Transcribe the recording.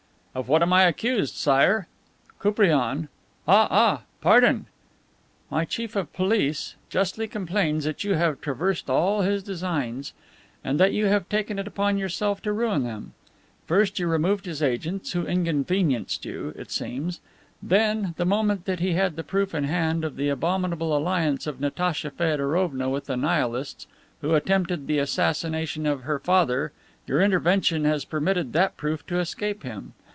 "Of what am I accused, Sire?" "Koupriane " "Ah! Ah! ... Pardon!" "My Chief of Police justly complains that you have traversed all his designs and that you have taken it upon yourself to ruin them. First, you removed his agents, who inconvenienced you, it seems; then, the moment that he had the proof in hand of the abominable alliance of Natacha Feodorovna with the Nihilists who attempt the assassination of her father your intervention has permitted that proof to escape him.